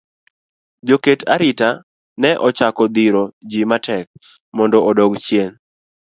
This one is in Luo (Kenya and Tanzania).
Jo ket arita ne ochako dhiro ji matek mondo odog chien.